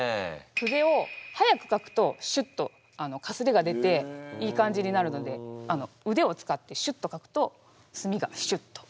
筆をはやく書くとシュッとかすれが出ていい感じになるのでうでを使ってシュッと書くとすみがシュッと。